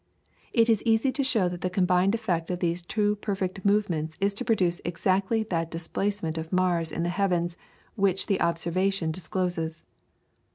It is easy to show that the combined effect of these two perfect movements is to produce exactly that displacement of Mars in the heavens which observation discloses.